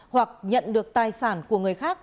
hoặc nhận được tài sản của người khác